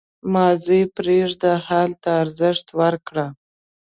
• ماضي پرېږده، حال ته ارزښت ورکړه.